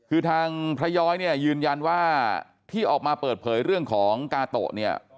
คือทางพระย้อยเนี่ยยืนยันว่าที่ออกมาเปิดเผยเรื่องของกาโตะเนี่ย